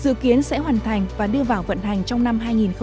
dự kiến sẽ hoàn thành và đưa vào vận hành trong năm hai nghìn hai mươi